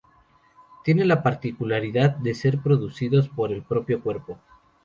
Tienen la particularidad de ser producidos por el propio cuerpo.